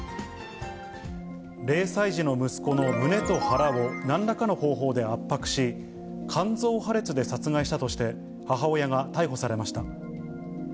０歳児の息子の胸と腹を、なんらかの方法で圧迫し、肝臓破裂で殺害したとして、母親が逮捕されました。